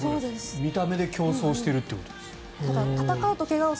見た目で競争しているということです。